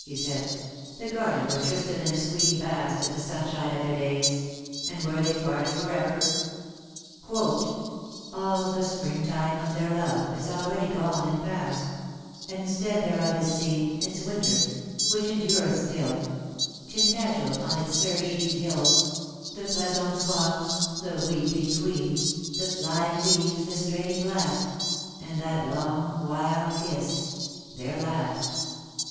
'' he said, —''^ the garden where Tristan and his Queen basked in the sunshine of their days ; and where they parted for ever ?—"* All the spring time of their love Is already gone and past, And instead thereof is seen Its winter, which endiireth still — 88 ^^TINTAGEL, HALF IN SEA, AND HALF ON LAND." Tyntagel, on its surge beat hill, The pleasaunce walks, the weeping queen, The flying leaves, the straining blast, And that long wild kiss — their last.'